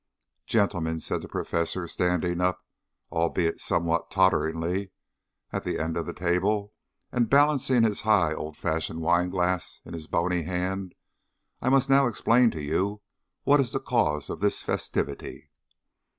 "Gentlemen," said the Professor, standing up, albeit somewhat totteringly, at the end of the table, and balancing his high old fashioned wine glass in his bony hand, "I must now explain to you what is the cause of this festivity."